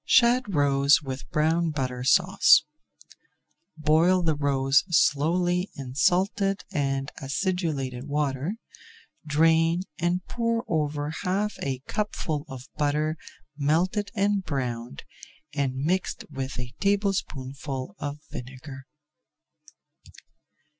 SHAD ROES WITH BROWN BUTTER SAUCE Boil the roes slowly in salted and acidulated water, drain, and pour over half a cupful of butter melted and browned, and mixed with a tablespoonful of vinegar.